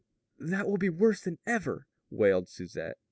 "That will be worse than ever," wailed Susette.